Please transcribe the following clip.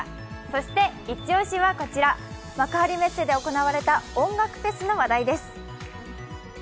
そしてイチ押しはこちら、幕張メッセで行われた音楽フェスの話題です。